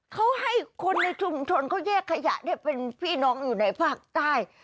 เขาให้คนในชุมชนเขาแยกขยะเนี่ยเป็นพี่น้องอยู่ในภาคใต้